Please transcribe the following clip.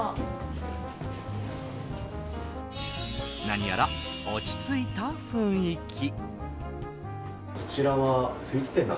何やら落ち着いた雰囲気。